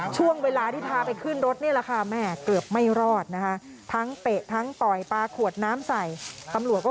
ช่วงเวลาที่พาไปขึ้นรถนี่แหละค่ะแม่